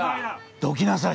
・どきなさい。